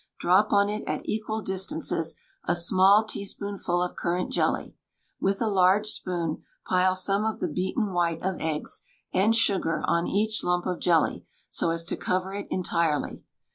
Drop on it at equal distances a small teaspoonful of currant jelly. With a large spoon, pile some of the beaten white of eggs and sugar on each lump of jelly, so as to cover it entirely.